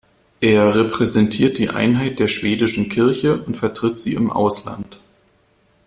Er repräsentiert die Einheit der schwedischen Kirche und vertritt sie im Ausland.